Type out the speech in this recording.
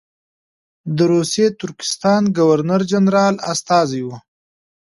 د روسي ترکستان ګورنر جنرال استازی وو.